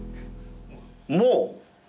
もう？